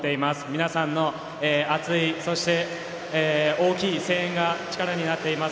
皆さんの熱いそして大きい声援が力になっています。